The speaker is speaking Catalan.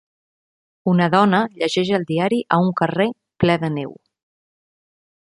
Una dona llegeix el diari a un carrer ple de neu.